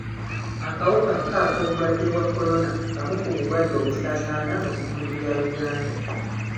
Akawuka ka k'obulwadde bwa kolona kamu ku bulwadde obusaasaana mu bitundu bya Uganda.